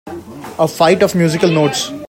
A flight of musical notes.